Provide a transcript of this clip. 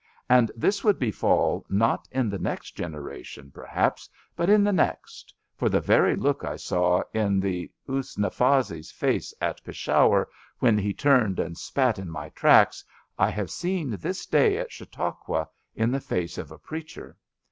And this would befall not in the next generaticm, per hapSy but in the next^ for the very look I saw in a Eusufzai's face at Peshawar when he turned and spat in my tracks I have seen this day at Chautau qua in the face of a preacher.